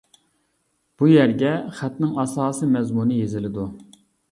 بۇ يەرگە خەتنىڭ ئاساسىي مەزمۇنى يېزىلىدۇ.